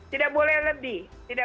tidak boleh lebih